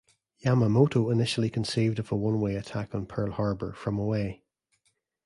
Yamamoto initially conceived of a one-way attack on Pearl Harbor from away.